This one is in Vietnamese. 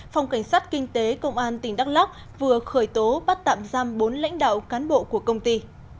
phòng cảnh sát kinh tế công an tỉnh đắk lóc vừa khởi tố bắt tạm giam bốn lãnh đạo cán bộ của công ty